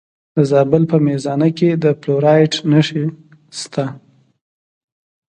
د زابل په میزانه کې د فلورایټ نښې شته.